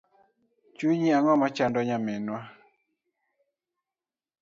Chunyi ang’o machando nyaminwa?